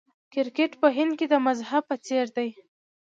کرکټ په هند کې د مذهب په څیر دی.